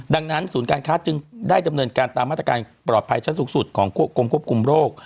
ดังนั้นศูนย์การค้าจึงได้ดำเนินการตามมาตรการปลอดภัยชั้นสูงสุดของกรมควบคุมโรค